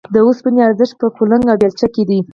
د اوسپنې ارزښت په کلنګ او بېلچه کې دی